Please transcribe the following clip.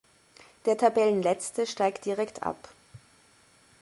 Der Tabellenletzte steigt direkt ab.